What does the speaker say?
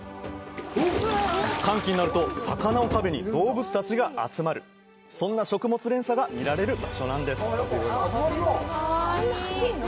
乾期になると魚を食べに動物たちが集まるそんな食物連鎖が見られる場所なんです